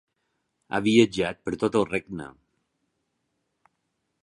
Ha viatjat per tot el regne.